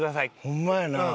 ホンマやな。